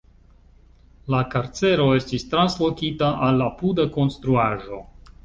La karcero estis translokita al apuda konstruaĵo.